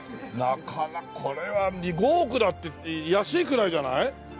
なかなかこれは５億だって安いくらいじゃない？